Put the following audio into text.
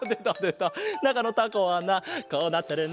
なかのタコはなこうなってるんだ。